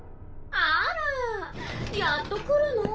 あらやっと来るのぉ？